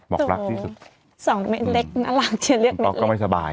บอกรักที่สุดสองเม็ดเล็กน่ารักที่จะเรียกเม็ดเล็กป๊อกก็ไม่สบาย